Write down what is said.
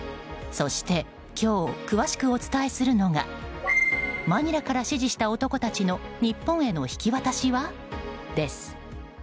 そして今日詳しくお伝えするのがマニラから指示した男たちの日本への引き渡しは？です。